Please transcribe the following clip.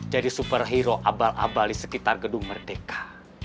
jadi superhero abal abal di sekitar gedung merdeka